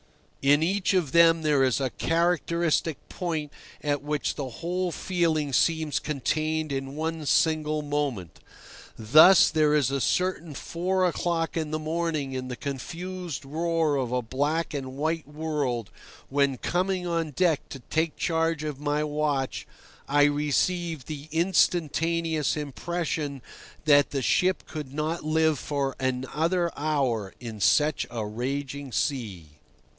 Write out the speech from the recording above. In each of them there is a characteristic point at which the whole feeling seems contained in one single moment. Thus there is a certain four o'clock in the morning in the confused roar of a black and white world when coming on deck to take charge of my watch I received the instantaneous impression that the ship could not live for another hour in such a raging sea.